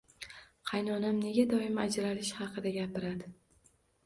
Qaynonam nega doim ajralish haqida gapiradi